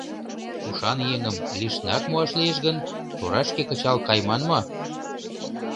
Ушан еҥым лишнак муаш лиеш гын, торашке кычал кайыман мо?»